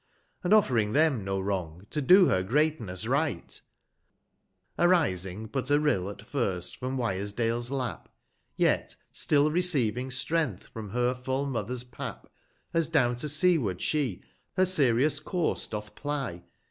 And off 'ring them no wrong, to do her greatness right ; Arising but a Eill at first from JVyersihtles lap, 155 Yet still receiving strength from her full mother's pap. As down to seaward she, her serious course doth ply.